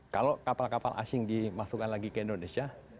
kalau kapal kapal asing dimasukkan lagi ke indonesia